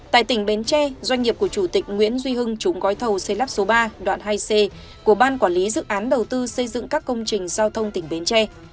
tại tỉnh bến tre doanh nghiệp của chủ tịch nguyễn duy hưng trúng gói thầu xây lắp số ba đoạn hai c của ban quản lý dự án đầu tư xây dựng các công trình giao thông tỉnh bến tre